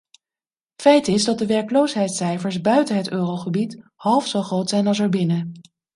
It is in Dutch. Feit is dat de werkloosheidscijfers buiten het eurogebied half zo groot zijn als erbinnen.